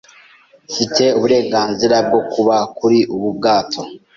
Mfite uburenganzira bwo kuba kuri ubu bwato.